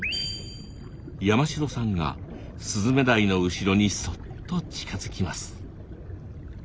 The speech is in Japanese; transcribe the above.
山城さんがスズメダイの後ろにそっと近づきます。